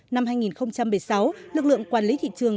năm hai nghìn một mươi sáu lực lượng quản lý thị trường